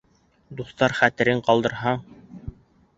Дуҫтар хәтерен ҡалдырһаң